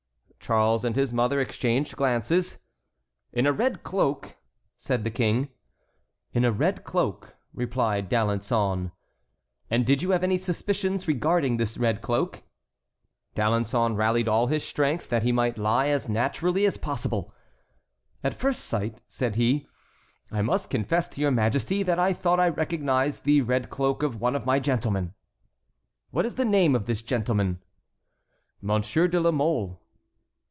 Charles and his mother exchanged glances. "In a red cloak?" said the King. "In a red cloak," replied D'Alençon. "And did you have any suspicions regarding this red cloak?" D'Alençon rallied all his strength that he might lie as naturally as possible. "At first sight," said he, "I must confess to your Majesty that I thought I recognized the red cloak of one of my gentlemen." "What is the name of this gentleman?" "Monsieur de la Mole."